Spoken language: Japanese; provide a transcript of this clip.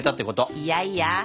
いやいや。